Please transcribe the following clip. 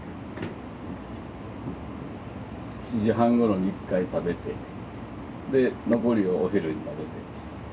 ７時半頃に１回食べてで残りをお昼に食べて。